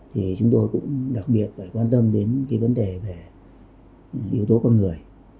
thì chúng tôi cũng đặc biệt phải quan tâm đến cái vấn đề về yếu tố con người